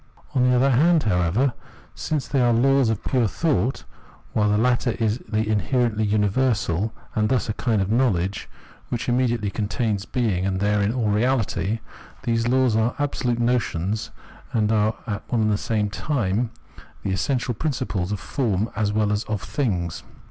On the other hand, however, since they are laws of pure thought, while the latter is the inherently univer sal, and thus a kind of knowledge, which immediately contains being and therein all reahty, these laws are absolute notions and are in one and the same sense the essential principles of form as well as of things.